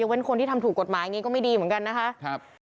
เว้นคนที่ทำถูกกฎหมายอย่างนี้ก็ไม่ดีเหมือนกันนะคะ